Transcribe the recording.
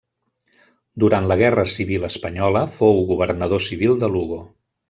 Durant la guerra civil espanyola fou governador civil de Lugo.